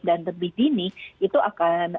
dan lebih dini itu akan